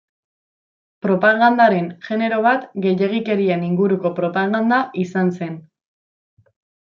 Propagandaren genero bat gehiegikerien inguruko propaganda izan zen.